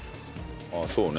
ああそうね。